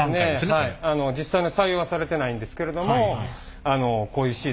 実際に採用はされてないんですけれども。